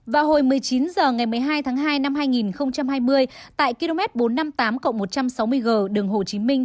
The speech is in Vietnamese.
vào hồi một mươi chín h ngày một mươi hai tháng hai năm hai nghìn hai mươi tại km bốn trăm năm mươi tám một trăm sáu mươi g đường hồ chí minh